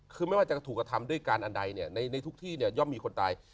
คือไม่ว่าจะถูกกระทำด้วยการอันใดเนี่ยในทุกที่เนี่ยย่อมมีคนตาย